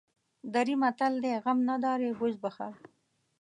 دري متل دی: غم نداری بز بخر.